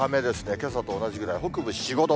けさと同じくらい、北部４、５度。